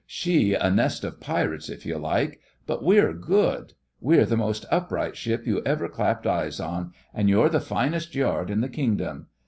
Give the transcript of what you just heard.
She a nest of pirates if you like: but we're good. We're the most upright ship you ever clapped eyes on, and you're the finest Yard in the Kingdom.